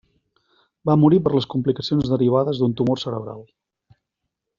Va morir per les complicacions derivades d'un tumor cerebral.